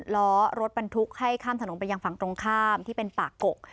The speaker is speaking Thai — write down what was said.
ล้อรถบรรทุกให้ข้ามถนนไปยังฝั่งตรงข้ามที่เป็นปากกก